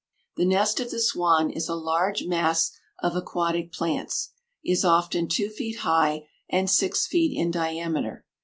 The nest of the swan is a large mass of aquatic plants, is often two feet high and six feet in diameter.